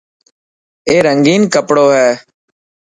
اي رنگين ڪپڙو هي.